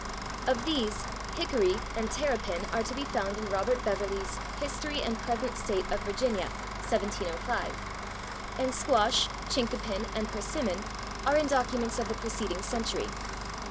Of these, /hickory/ and /terrapin/ are to be found in Robert Beverley's "History and Present State of Virginia" (1705), and /squash/, /chinkapin/ and /persimmon/ are in documents of the preceding century.